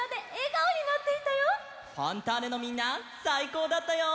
「ファンターネ！」のみんなさいこうだったよ！